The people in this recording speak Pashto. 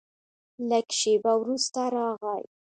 لږ شېبه وروسته راغی.